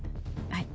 はい